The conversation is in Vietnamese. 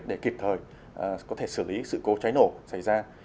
để kịp thời có thể xử lý sự cố cháy nổ xảy ra